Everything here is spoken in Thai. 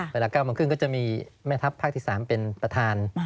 เวลา๙โมงครึ่งก็จะมีแม่ทัพภาคที่๓เป็นประธาน